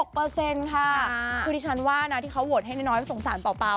คือดิฉันว่านะที่เขาโหวตให้น้อยสงสารเป่า